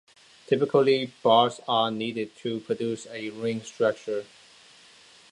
Typically, bars are needed to produce a ring structure.